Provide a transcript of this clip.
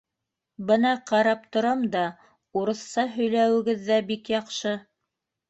Бына ҡарап торам да урыҫса һөйләүегеҙ ҙә бик яҡшы.